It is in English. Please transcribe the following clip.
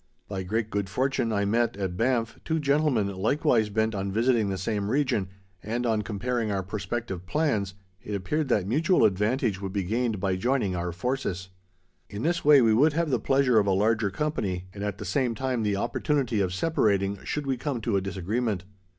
By great good fortune I met, at Banff, two gentlemen likewise bent on visiting the same region, and on comparing our prospective plans, it appeared that mutual advantage would be gained by joining our forces. In this way we would have the pleasure of a larger company, and at the same time the opportunity of separating, should we come to a disagreement.